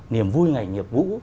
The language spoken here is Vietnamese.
niềm vui ngày nhập ngũ